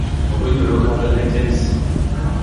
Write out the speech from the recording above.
Rue de l'Augraben à Kembs